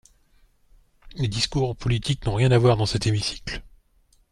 Les discours politiques n’ont rien à voir dans cet hémicycle.